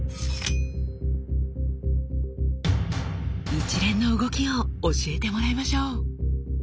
一連の動きを教えてもらいましょう。